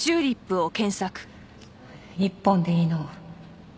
１本でいいの。